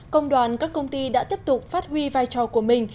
công đoàn các công ty đã tiếp tục phát huy vai trò của mình